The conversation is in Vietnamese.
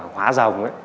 hóa rồng ấy